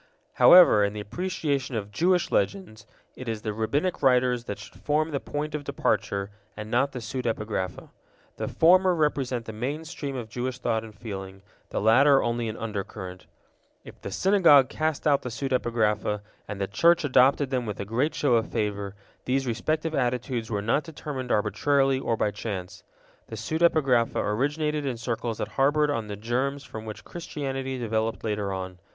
However, in the appreciation of Jewish Legends, it is the Rabbinic writers that should form the point of departure, and not the pseudepigrapha. The former represent the main stream of Jewish thought and feeling, the latter only an undercurrent. If the Synagogue cast out the pseudepigrapha, and the Church adopted them with a great show of favor, these respective attitudes were not determined arbitrarily or by chance. The pseudepigrapha originated in circles that harbored the germs from which Christianity developed later on.